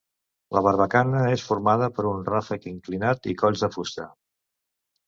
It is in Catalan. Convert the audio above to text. La barbacana és formada per un ràfec inclinat i colls de fusta.